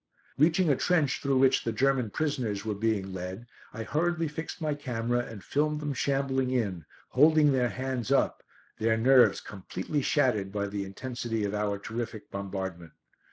Reaching a trench through which the German prisoners were being led, I hurriedly fixed my camera and filmed them shambling in, holding their hands up, their nerves completely shattered by the intensity of our terrific bombardment.